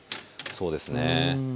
そうですね。